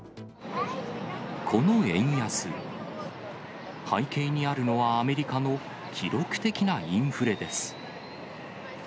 この円安、背景にあるのはアメリカの記録的なインフレです。